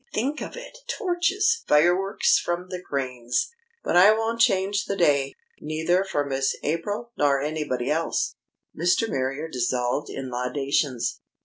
Think of it! Torches! Fireworks from the cranes! ... But I won't change the day neither for Miss April nor anybody else." Mr. Marrier dissolved in laudations.